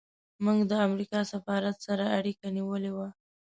موږ د امریکا سفارت سره اړیکه نیولې وه.